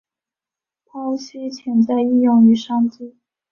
剖析潜在应用与商机